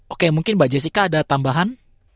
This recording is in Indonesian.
oke mungkin mbak jessica ada tambahan